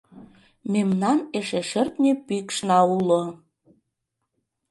Мемнан эше шӧртньӧ пӱкшна уло!